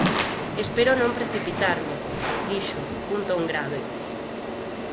Espero non precipitarme —dixo, cun ton grave—.